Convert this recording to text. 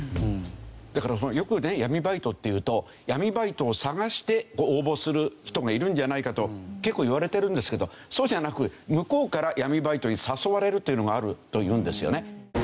だからよくね闇バイトっていうと闇バイトを探して応募する人がいるんじゃないかと結構いわれてるんですけどそうじゃなく向こうから闇バイトに誘われるというのがあるというんですよね。